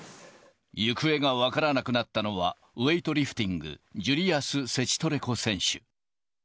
行方が分からなくなったのは、ウエイトリフティング、ジュリアス・セチトレコ選手。